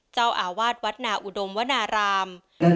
เจ้าอาวาสวัดนาอุดมวนาราม